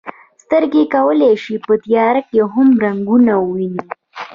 سترګې کولی شي په تیاره کې هم رنګونه وویني.